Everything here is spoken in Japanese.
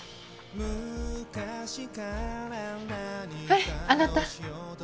はいあなた。